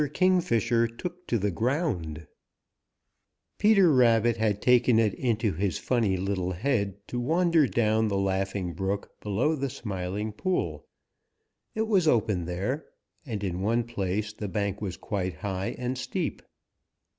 KINGFISHER TOOK TO THE GROUND |PETER RABBIT had taken it into his funny little head to wander down the Laughing Brook below the Smiling Pool. It was open there, and in one place the bank was quite high and steep.